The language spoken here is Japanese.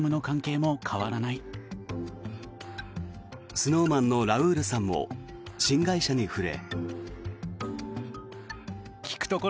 ＳｎｏｗＭａｎのラウールさんも新会社に触れ。